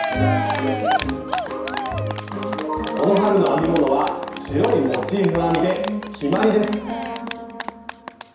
この春の編み物は白いモチーフ編みで決まりです！